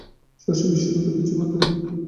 শশীর বিষন্নতা ঘুচিবার নয়।